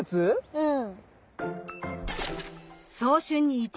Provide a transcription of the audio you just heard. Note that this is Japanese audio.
うん。